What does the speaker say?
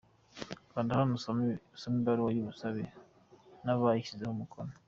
Kanda hano usome ibaruwa y’ubusabe n’abayishyizeho umukono.